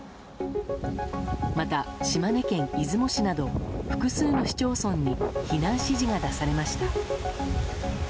また、島根県出雲市など複数の市町村に避難指示が出されました。